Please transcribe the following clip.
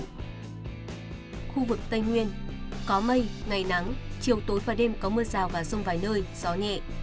khu vực tây nguyên có mây ngày nắng chiều tối và đêm có mưa rào và rông vài nơi gió nhẹ